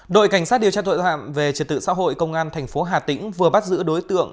đội cảnh sát điều tra tội tạm về trật tự xã hội công an tp hà tĩnh vừa bắt giữ đối tượng